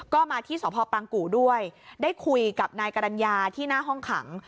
ก็มาที่สพปรังกู่ด้วยได้คุยกับนายกรรณญาที่หน้าห้องขัง